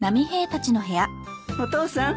お父さん。